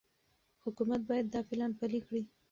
حکومت باید دا پلان پلي کړي.